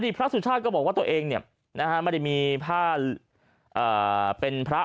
พระสุชาติก็บอกว่าตัวเองไม่ได้มีผ้าเป็นพระ